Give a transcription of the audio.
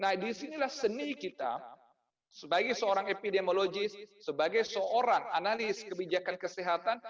nah disinilah seni kita sebagai seorang epidemiologis sebagai seorang analis kebijakan kesehatan